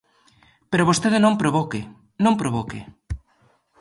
Pero vostede non provoque, non provoque.